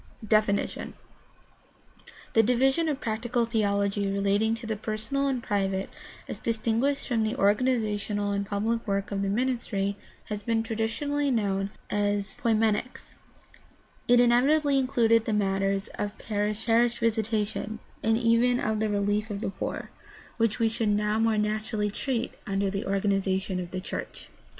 DEFINITION The division of practical theology relating to the personal and private as distinguished from the organizational and pubHc work of the ministry has been traditionally known as poimenics. It inevitably included the matters of parish visitation, and even of the relief of the poor, which we should PRACTICAL THEOLOGY 6ii now more naturally treat under the organization of the church.